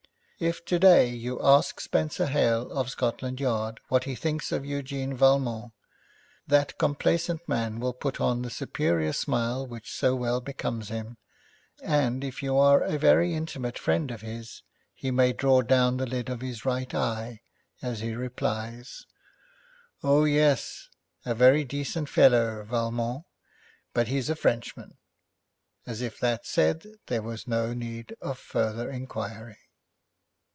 If today you ask Spenser Hale, of Scotland Yard, what he thinks of Eugène Valmont, that complacent man will put on the superior smile which so well becomes him, and if you are a very intimate friend of his, he may draw down the lid of his right eye, as he replies, 'Oh, yes, a very decent fellow, Valmont, but he's a Frenchman,' as if, that said, there was no need of further inquiry.